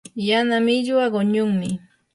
yana millwa quñunmi.